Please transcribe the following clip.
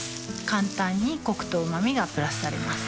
簡単にコクとうま味がプラスされます